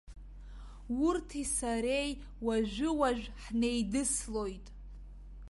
Урҭи сареи уажәы-уажә ҳнеидыслоит.